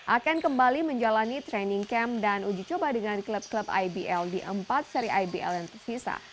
akan kembali menjalani training camp dan uji coba dengan klub klub ibl di empat seri ibl yang tersisa